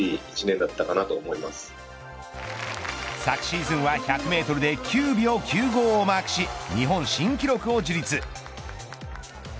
昨シーズンは１００メートルで９秒９５をマークし日本新記録を樹立。